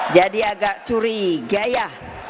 jadi agak curiga ya